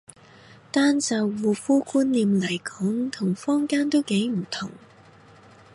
單就護膚觀念嚟講同坊間都幾唔同